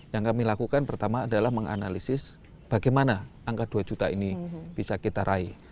yang kami lakukan pertama adalah menganalisis bagaimana angka dua juta ini bisa kita raih